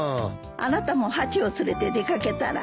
あなたもハチを連れて出掛けたら？